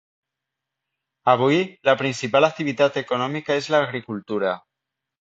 Avui, la principal activitat econòmica és l'agricultura.